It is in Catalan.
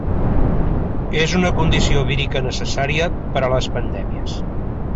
És una condició vírica necessària per a les pandèmies.